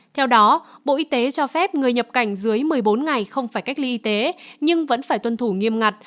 theo đó bộ y tế cho phép người nhập cảnh dưới một mươi bốn ngày không phải cách ly y tế nhưng vẫn phải tuân thủ nghiêm ngặt